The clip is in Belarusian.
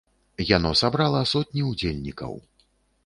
Яно сабрала сотні ўдзельнікаў.